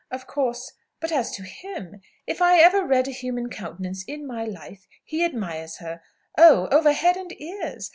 Of course . But as to him ! If I ever read a human countenance in my life, he admires her oh, over head and ears!